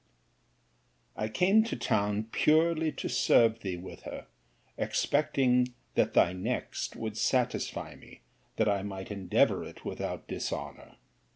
I came to town purely to serve thee with her, expecting that thy next would satisfy me that I might endeavour it without dishonour.